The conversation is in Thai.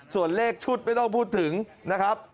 ส่วนเลขชุดไม่ต้องพูดถึงนะครับ